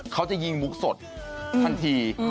เขาจะยิงมุกสดทันที